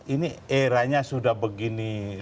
ini eranya sudah begini